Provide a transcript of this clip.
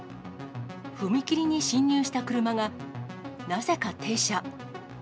踏切に進入した車が、なぜか停車。